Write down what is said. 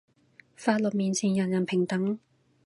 法律面前人人平等